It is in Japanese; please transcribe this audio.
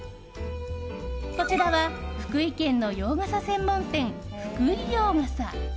こちらは福井県の洋傘専門店福井洋傘。